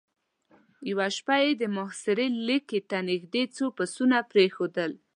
يوه شپه يې د محاصرې ليکې ته نېزدې څو پسونه پرېښودل.